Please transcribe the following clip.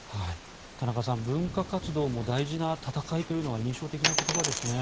田中さん、文化活動も大事な戦いというのは印象的な言葉ですね。